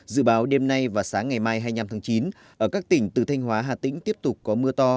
dự báo đêm nay và sáng ngày mai hai mươi năm tháng chín ở các tỉnh từ thanh hóa hà tĩnh tiếp tục có mưa to